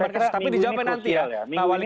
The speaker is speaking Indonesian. tapi dijawabin nanti ya pak wali kota